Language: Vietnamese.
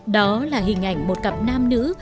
đó là hình ảnh một cặp nam nữ